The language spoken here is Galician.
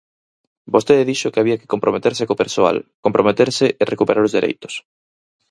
Vostede dixo que había que comprometerse co persoal, comprometerse e recuperar os dereitos.